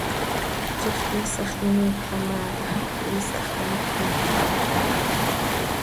Ziix quiisax quih imiipla maa tax, ¿ihiisax com háqui quiihya?